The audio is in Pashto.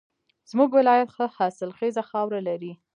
زمونږ ولایت ښه حاصلخیزه خاوره لري